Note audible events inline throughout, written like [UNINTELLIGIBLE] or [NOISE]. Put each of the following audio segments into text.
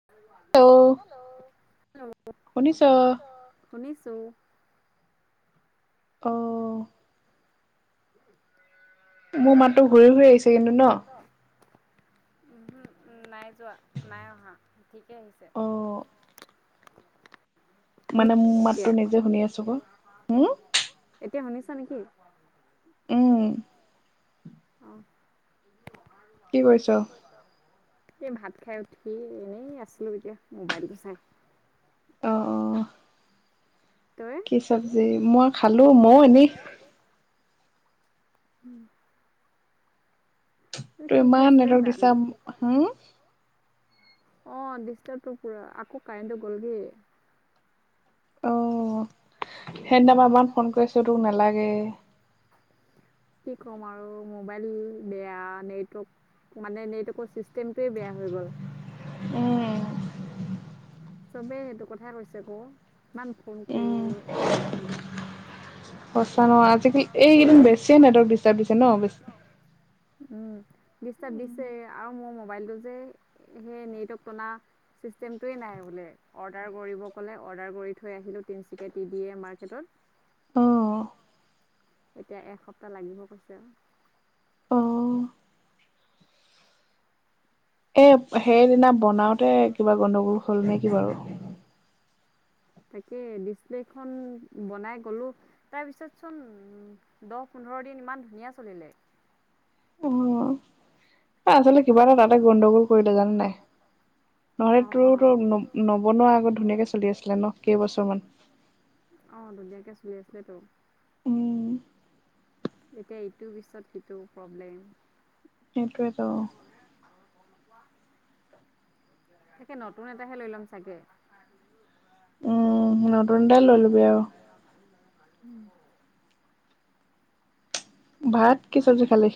[UNINTELLIGIBLE] শুনিছা? শুনিছোঁ। অঁ। অঁ। মোৰ মাতটো ঘূৰি ফুৰি আহিছে কিন্তু ন। উমহু, নাই যোৱা নাই অহা ঠিকেই আহিছে। মানে মোৰ মাততো নিজে শুনি আছো ক, হম। এতিয়া শুনিছা নেকি? উম। অ'। কি কৰিছ? [UNINTELLIGIBLE] এই ভাত খাই উঠি এনেই আছিলো এতিয়া মোবাইলটো চাই। তই? কি চব্জি, মই খালোঁ ময়ো এনেই। উম। ইমান নেটৱৰ্ক ডিষ্টাৰ্ব হুম। অঁ ডিষ্টাৰ্বটো পুৰা আকৌ কাৰেণ্টটো গ'লগেই। অ, সেইদিনা মই ইমান ফোন কৰিছো তোক নালাগে। কি ক'ম আৰু মোবাইল বেয়া, নেটৱৰ্ক মানে নেটৱৰ্কৰ চিষ্টেমটোৱে বেয়া হৈ গ'ল। উম। চবেই সেইটো কথাই কৈছে ক, ইমান ফোন কৰোঁ অফ বুলি। সঁচা নহ আজিকালি এইকেইদিন বেছিয়ে নেটৱৰ্ক ডিষ্টাৰ্ব দিছে ন' বে উম, ডিষ্টাৰ্ব দিছে আৰু মোৰ মোবাইলটো যে সেই নেটৱৰ্ক টনা চিষ্টেমটোৱে নাই বোলে। অৰ্ডাৰ কৰিব ক'লে অৰ্ডাৰ কৰি থৈ আহিলোঁ, তিনিচুিকীয়া টি ডি এ মাৰ্কেটত। এতিয়া এসপ্তাহ লাগিব কৈছে আও। এ সেইদিনা বনাওঁতে কিবা গণ্ডগোল হ'ল নেকি বাৰু। তাকে ডিচপ্লেখন বনাই গ'লো। তাৰপিছতচোন উম, দছ পোন্ধৰ দিন ইমান ধুনীয়া চলিলে। অঁ, আচলতে কিবা এটা তাতে গণ্ডগোল কৰিলে জানে নাই। নহ'লে তোৰ তোৰ ন নবনুৱা আগত ধুনীয়াকে চলি আছিলে ন' কেইবছৰ মান। অঁ, ধুনীয়াকে চলি আছিলে ত। এতিয়া ইটোৰ পিছত সিটো প্ৰব্লেম। সেইটোৱেতো। তাকে নতুন এটাহে লৈ ল'ম চাগে। [UNINTELLIGIBLE] অঁহ, নতুন এটাই লৈ ল'বি আৰু। [INAUDIBLE] ভাত কি চব্জি খালি?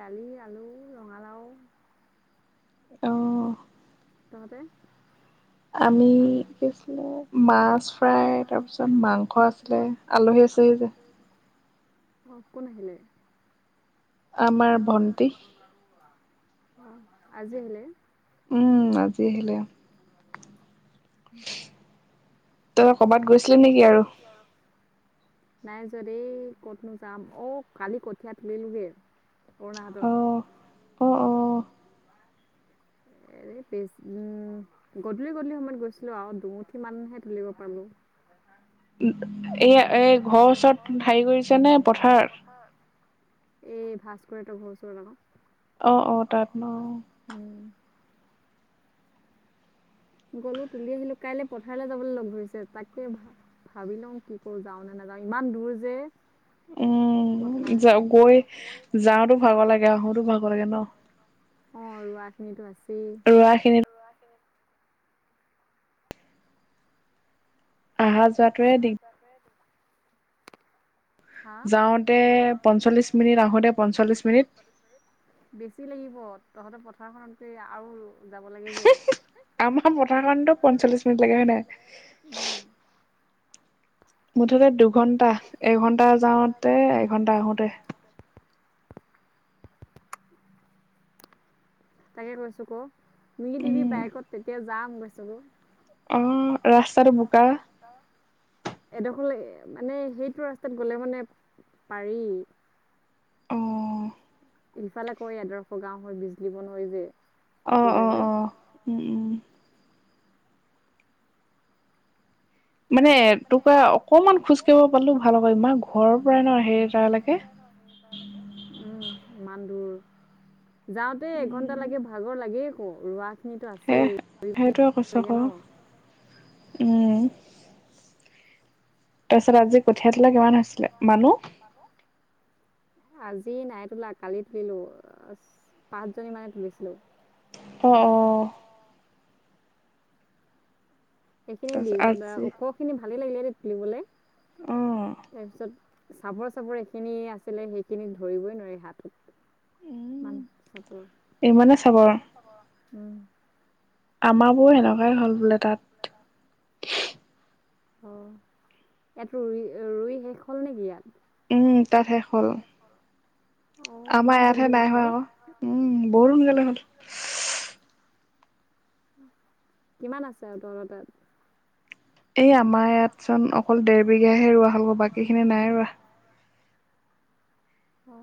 দালি, আলু, ৰঙালাও। অঁ তঁহতে? আমি কি আছিলে মাছ ফ্ৰাই তাৰপিছত মাংস আছিলে, আলহী আছে হি। অঁ কোন আহিলে। আজি আহিলে। উম, আজি আহিলে। তই ক'বাত গৈছিলি নেকি আৰু? নাই যোৱা দেই, ক'তনো যাম অঁ কালি কঠিয়া তুলিলোগে। অ অ অ এক পিকছ, উম গধূলি গধূলি সময়ত গৈছিলো আৰু দুমুঠি মানহে তুলিব পালো। [UNINTELLIGIBLE] এ এ ঘৰৰ ওচৰত হাৰি কৰিছে নে, পথাৰত? এই ভাস্কৰ হঁতৰ ৰ ঘৰ ওচৰৰত আক। অ অ তাত ন। উম। গ'লো তুলি আহিলো কাইলে পথাৰলৈ যাবলে লগ ধৰিছে তাকে ভাল ভাবি লও কি কৰো যাও নে নাযাও ইমান দূৰ যে উম যা গৈ যাওঁতো ভাগৰ লাগে আহোতো ভাগৰ লাগে ন অ' ৰোৱাখিনিতো আছেই। ৰোৱাখিনিত ৰোৱাখিনিত অহা যোৱাটোৱে দি [UNINTELLIGIBLE] যাওঁতে পঞ্চল্লিশ মিনিট আহোতে পঞ্চল্লিশ মিনিট বেছি লাগিব তহঁতে পথাৰখনতকৈ আৰু যাব লাগে হে হে আমাৰ পথাৰখনতো পঞ্চল্লিশ মিনিট লাগে হয় নাই উম মুঠতে দুঘন্টা এঘণ্টা যাওঁতে এঘন্টা আহোতে তাকে কৈছোঁ ক' নিকি দিবি বাইকত তেতিয়া যাম গৈছো গৌ অ ৰাস্তাটো বোকা এডোখৰ মানে সেইটো ৰাস্তাত গ'লে মানে পাৰি অঁ ইিফালে কয় আদৰ্শ গাঁও হৈ বিজলী বন হৈ যে ঠাকুৰবাৰী হৈ উম উম মানে তোকৰা অকমান খোজ কাঢ়িব পাৰিলো ভাল হব ইমান ঘৰৰ পৰাই ন সেই তালৈকে উম ইমান দূৰ যাওঁতে এঘন্টা লাগে ভাগৰ লাগেই আকৌ ৰোৱা সেয় সেইটোৱে ক চকৰ তাৰপিছত আজি কঠীয়া তলা কিমান হৈছিলে মানুহ মানুহ আজি নাই তোলা কালি তুলিলোঁ পাঁচজনী মানে তুলিছিলোঁ অঁ অঁ সেইখিনি দিঘ ওখখিনি ভালেই লাগিলে তুলিবলৈ তাৰপিছত চাপৰ চাপৰ এইখিনি আছিলে সেইখিনিত ধৰিবই নোৱাৰি হাতত ইমান চাপৰ [UNINTELLIGIBLE] উম আমাৰাবোৰ এনেকুৱাই হ'ল বোলে তাত [UNINTELLIGIBLE] অ ইয়াতো ৰুই ৰুই শেষ হ'ল নেকি ইয়াত উম তাত শেষ হল আমাৰ ইয়াতহে নাই হোৱা আক উম বৰ সোনকালে হ'ল কিমান আছে আৰু তহতৰ তাত এই আমাৰ ইয়াত চোন অকল দেৰ বিঘাহে ৰোৱা হ'ল গ বাকী খিনি নাই ৰোৱাা অ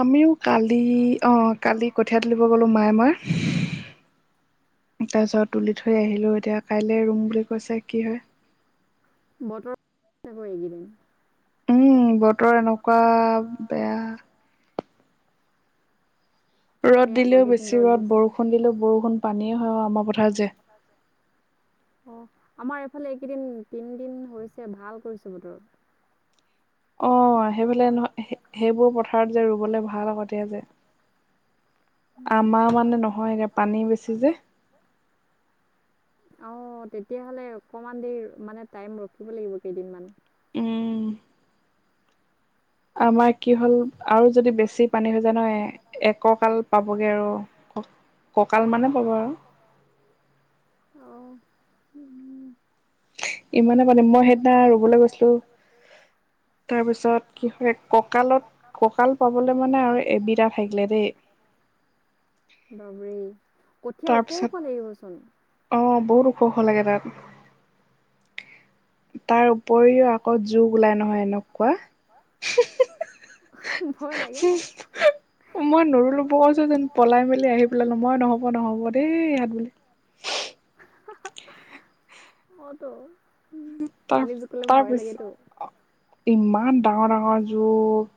আমিও কালি অ কালি কঠীয়া তুলিব গ'লো মায়ে ম ই [UNINTELLIGIBLE] তাৰপিছত তুলি থৈ আহিলো এতিয়া কাইলে ৰুম বুলি কৈছে কি হয় [UNINTELLIGIBLE] এইকেইদিন উম বতৰ এনেকুৱা বেয়া ৰ'দ দিলেও বেছি ৰ'দ বৰষুণ দিলেও বৰষুণ পানীয়ে হয় আমাৰ পথাৰত যে অ আমাৰ এইফালে এইকেইদিন তিনিদিন হৈছে ভাল কৰিছে বতৰ অ সেইবেলে ন হে সেইবোৰ পথাৰত যে ৰুবলে ভাল আগতে যে আমাৰ মানে নহয় এত এ পানী বেছি যে অ তেতিয়াহ'লে অকমান দেৰি মানে টাইম ৰখিব লাগিব কেইদিনমান আমাক কি হল আৰু যদি বেছি পানী হৈ যায় নহয় এককাল পাবগে আৰু ককাল মানে পাব আৰু অঁ [UNINTELLIGIBLE] ইমানে পানী মই সেইদনা ৰুবলে গৈছিলো তাৰপিছত কি হয় কঁকালত কঁকাল পাবলে মানে আৰু এবিটা থাকিলে দেই বাবুৰে কঠীয়া ওখ ওখ লাগিবচোন অ বহুত ওখ ওখ লাগে তাত তাৰ উপৰিও আকৌ জুক ওলাই নহয় এনেকুৱা স [INAUDIBLE] মই নৰুলো ব কৈছো যেন পলাই মেলি আহি পেলালো মই নহব নহব দেই সেয়াত বুল অ ট তাৰ তাৰ পিছ ইমান ডাঙৰ ডাঙৰ জুক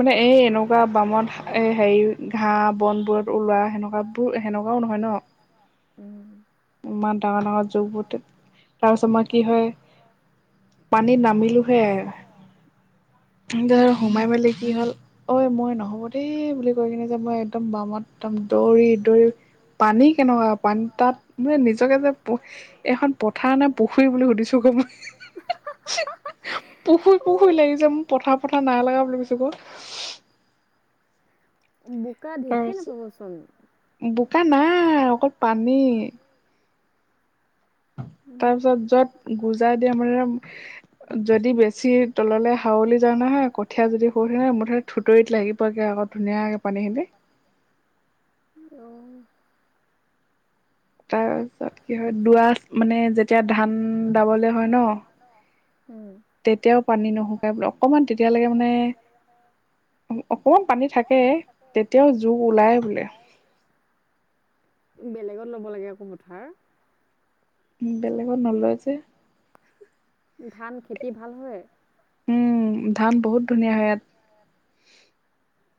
মানে এই এনেকুৱা বামত এ হেৰি ঘাঁহ বনবোৰত ওলোৱা সেনকাবোৰ সেনকাও নহয় ন ইমান ডাঙৰ ডাঙৰ জুক বু তেত তাৰপিছত মই আৰু তোমাৰ কি হয় পানীত নামিলি হে আৰু তাছত সোমাই মেলি কি হ'ল ঐ মই নহ'ব দেই বুলি কৈ কিনে যে মই একদম বামত একদম দৌৰি দৌৰি পানী কেনকা পানী তাত মানে নিজকে যে প এখন পথাৰ নে প খুৰী বুলি সুধিছো ক মই পুখুই পুখুই লাগি যে মোৰ পথাৰ পথা নাই লগা বুলি কৈছো ক বোকা ঢেকীয়ে নাপাব চুন বোকা নাই অকল পানী তাৰ পিছত যত গুজাই দিয়া মানে অম যদি বেছি তললে হাৱলি যা নহয় কঠিয়া যদি সউ নহয় মুঠত থুতৰিত লাগিব গে আক ধুনীয়াকে পানীখিনিত অ তাৰপিছত কি হয় দুৱাছ মানে যেতিয়া ধান দাবলে হয় ন উম তেতিয়াও পানী নুশুকাই ব্লক অকণমান তেতিয়ালেকে মানে অ অকমান পানী থাকে তেতিয়াও জুক ওলাই বোলে বেলেগত ল'ব লাগে আক পথাৰ বেলেগত নলয় যে ধান খেতি ভাল হয় উম ধান বহুত ধুনীয়া হয় ইয়াত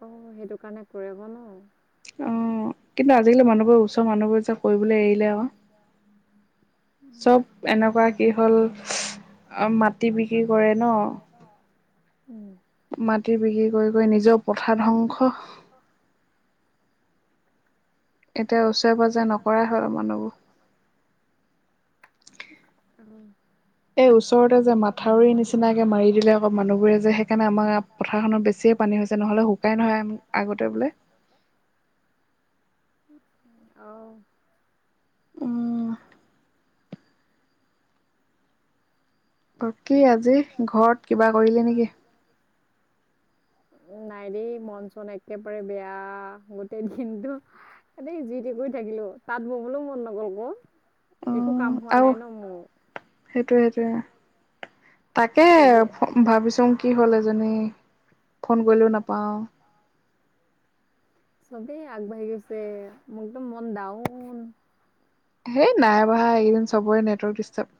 অঁ সেটো কাৰণে কৰে ক ন অ কিন্তু আজিকালি মানুহবোৰ ওচৰ মানুহবোৰে যে কৰিবলে এৰিলে অ চব এনেকুৱা কি হ'ল অ মাটি বিক্ৰী কৰে ন উম। মাটি বিক্ৰী কৰি - কৰি নিজৰ পথাৰ ধ্বংস। এতিয়া ওচৰে - পাজৰে নক বজা নপৰাই হয় হ উম। এই ওচৰতে যে মাথাউৰি নিচিনাকে মাৰি দিলে আকৌ মানুহবোৰে যে সেইকাৰণে আমাৰ পথাৰখনত বেছিয়ে পানী হৈছে নহ'লে শুকাই নহয় আম আগতে বোলে। অঁহ। উম। গকি আজি ঘৰত কিবা কৰিলে নেকি? নাই দেই, মন - চন একেবাৰে বেয়া, গোটেই দিনবোৰ এনেই যি টি কৰি থাকিলো তাত বহিবলৈ মন নগল ক। একো কাম হোৱা নাই ন মোৰ। সেইটো-সেইটোয়ে, তাকে ভ ভাবিছোঁ কি হ'ল এজনী, ফোন কৰিলেও নাপাওঁ চবেই আগবাঢ়ি গৈছে, মোৰ একদম মন দাউন। হেই নাই পঢ়া এইকেইদিন চবৰে নেটৱৰ্ক ডিষ্টাৰ্ব।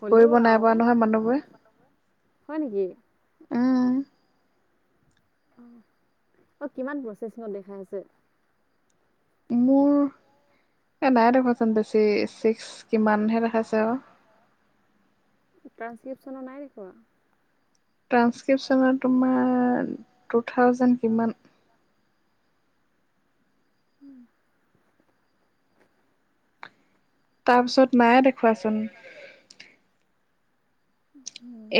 হলেও আৰু হয় নেকি? অহ, অ কিমান প্ৰচেচিঙত দেখাই আছে? মোৰ এ নাই দেখোৱাচোন বেছি, ছিক্স কিমানহে দেখাইছে আৰু। ট্ৰান্সক্ৰিপশ্যনু নাই দেখুওৱা? ট্ৰানসক্ৰিপশ্যনৰ তোমাৰ টু থাউজেণ্ড কিমান উম। তাৰপিছত নায়ে দেখুৱাচোন।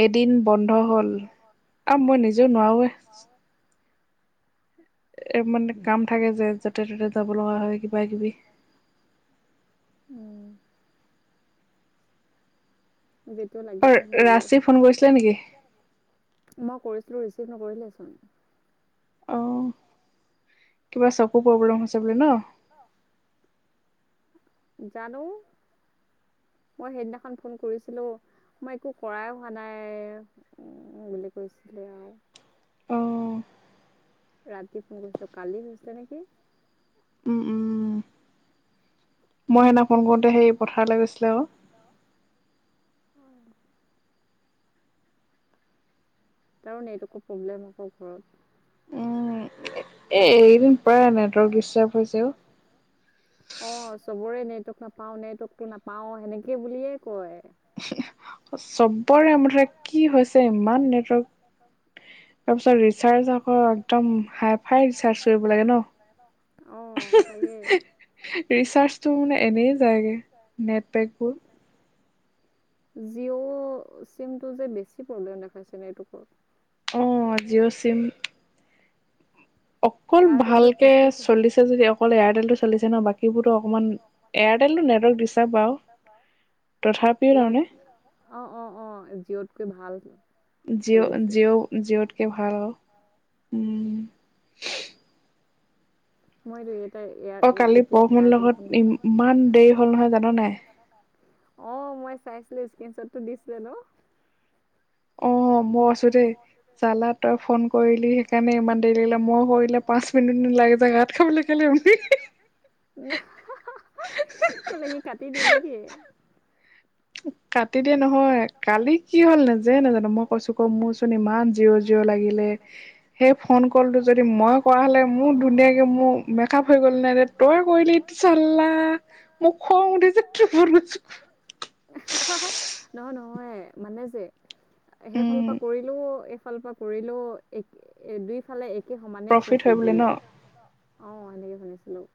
এদিন বন্ধ হ'ল, আ মই নিজেও নোৱাৰোৱে। এ মানে কাম থাকে যে য'তে- ত'তে যাব লগা হয় কিবা- কিবি উম। যিটো লাগি থাকিব [INAUDIBLE] মই কৰিছিলোঁ, ৰিচিভ নকৰিলেচোন। অঁহ, কিবা চকু প্ৰব্লেম হৈছে বোলে ন? অ জানো? মই সেইদিনাখন ফোন কৰিছিলো মই একো কৰাই হোৱা নাই বুলি কৈছিলে আৰু। ৰাতি ফোন কৰিছিলো, কালি গৈছিলে নেকি? মই সেইদিনা ফোন কৰোতে সেই পথাৰলৈ গৈছিলে আও। তাৰণে এইটো একো প্ৰব্লেম আকৌ ঘৰত উম, এ এ এইদিন প্ৰায় নেটৱৰ্ক ডিচটাৰ্ব হৈছেও। অ চবৰে নেটৱৰ্ক নাপাও, নেটৱৰ্কটো নাপাও সেনেকে বুলিয়ে কয়। ইহী ইহ চবৰে মুঠতে কি হৈছে ইমান নেটৱৰ্ক তাৰপিছত ৰিচাৰ্জ আকৌ একদম হাই - ফাই ৰিচাৰ্জ কৰিব লাগে ন? অ তাকে। ৰিচাৰ্জটো মানে এনেই যায়গে নেট পেকবোৰ। জিঅ' চিমটো যে বেছি প্ৰব্লেম দেখাইছে ন নেটৱৰ্কৰ। অঁ জিঅ' চিম অকল ভালকে চলিছে যদি অকল এয়াৰটেলটো চলিছে ন, বাকীবোৰো অকমান এয়াৰটেলতো নেটৱৰ্ক দিছা বাও তথাপিও তাৰমানে। অঁ অঁ অঁ জিঅ'তকৈ ভাল। জিঅ' জিঅ' জিঅ'তকে ভাল উম। মইদোয়েত। অ কালি পৰশুণ লগত ই ইমান দেৰি হল নহয় জান নাই। অ মই চাইছিলো স্ক্ৰীনশ্বট টো দিছিলে ন। অ মই আছো দেই। চালা তই ফোন কৰিলি সেইকাৰণে ইমান দেৰি লাগিলা মই কৰিলে পাঁচ মিনিট দিন লাগে যায় গাত খাবলে। [INAUDIBLE] [UNINTELLIGIBLE] কেলে সি কাটি দিয়ে নেকি। [INAUDIBLE] কাটি দিয়ে নহয়, কালি কি হ'ল নিজেই নাজানো মই কৈছো, ক মোৰচোন ইমান জিৰ জিৰ লাগিলে। সেই ফোন কলটো যদি মই কৰা হ'লে মোক ধুনীয়াকৈ মোৰ বেকআপ হৈ গ'ল নে। তই কৰিলি চাল্লা মোৰ খং উঠিছে। [UNINTELLIGIBLE] [INAUDIBLE] নহয়, নহয় মানে যে সেইফালৰ পৰা কৰিলেও এইফালৰ পৰা। কৰিলোঁ এক দুইফালে একে সমানে প্ৰফিট বোলে। অ এনেকে শুনিছিলোঁ।